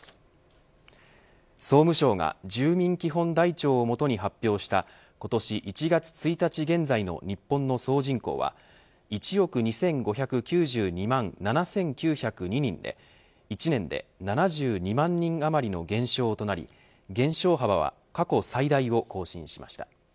総務省が住民基本台帳をもとに発表した今年１月１日現在の日本の総人口は１億２５９２万７９０２人で１年で７２万人あまりの減少となり、減少幅は過去最大を更新しました。